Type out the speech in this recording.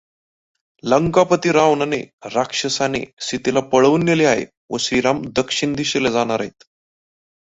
लंकापति रावणाने, राक्षसाने सीतेला पळवून नेले आहे व श्रीराम दक्षिण दिशेला जाणार आहेत.